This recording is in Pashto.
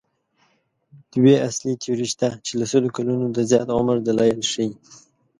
دوې اصلي تیورۍ شته چې له سلو کلونو د زیات عمر دلایل ښيي.